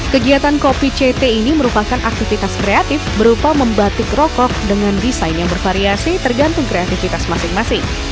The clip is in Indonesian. kegiatan kopi ct ini merupakan aktivitas kreatif berupa membatik rokok dengan desain yang bervariasi tergantung kreativitas masing masing